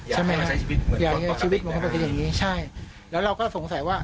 ใช่ไหมอยากให้ชีวิตเหมือนกันใช่แล้วเราก็สงสัยว่า